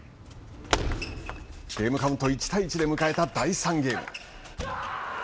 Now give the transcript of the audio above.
ゲームカウント１対１で迎えた第３ゲーム。